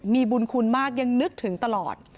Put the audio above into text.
มีบุญคุณมากยังนึกถึงตลอด